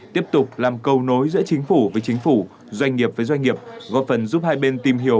tiếp tục làm cầu nối giữa chính phủ với chính phủ doanh nghiệp với doanh nghiệp góp phần giúp hai bên tìm hiểu